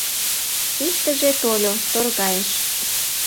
Иктыже тольо, торгайыш